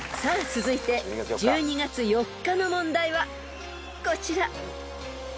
続いて１２月４日の問題はこちら］